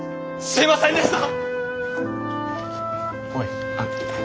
すいませんでした！